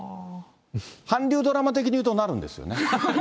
韓流ドラマ的にいうと、なるんですよね？